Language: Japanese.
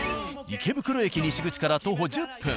池袋駅西口から徒歩１０分。